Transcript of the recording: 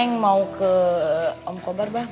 yang mau ke om kobar bah